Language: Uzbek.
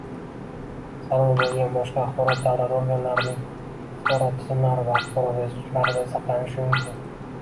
zarur bo‘lgan boshqa axborot davlat organlarining axborot tizimlari va axborot resurslarida saqlanishi mumkin.